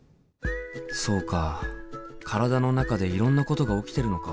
そうか体の中でいろんなことが起きてるのか。